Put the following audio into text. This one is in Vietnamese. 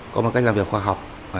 có một cách làm việc khoa học